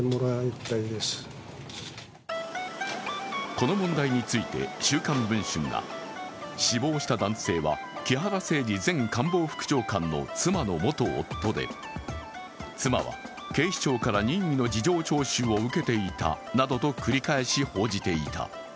子の問題については「週刊文春」が死亡した男性は木原誠二前官房副長官の妻の元夫で妻は警視庁から任意の事情聴取を受けていたなどと繰り返し報じていた。